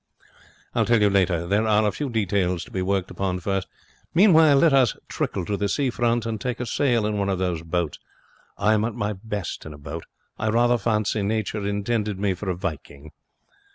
'I'll tell you later. There are a few details to be worked upon first. Meanwhile, let us trickle to the sea front and take a sail in one of those boats. I am at my best in a boat. I rather fancy Nature intended me for a Viking.'